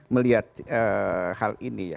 melihat hal ini ya